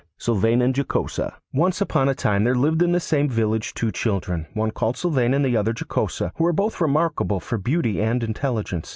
SYLVAIN AND JOCOSA Once upon a time there lived in the same village two children, one called Sylvain and the other Jocosa, who were both remarkable for beauty and intelligence.